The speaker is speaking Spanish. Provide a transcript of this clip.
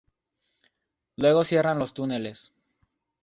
Luego cierran los túneles.